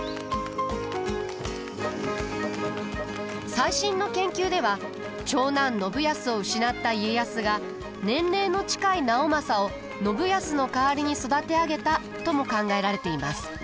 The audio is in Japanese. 最新の研究では長男信康を失った家康が年齢の近い直政を信康の代わりに育て上げたとも考えられています。